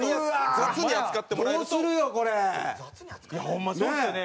ホンマそうですよね。